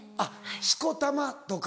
「しこたま」とか。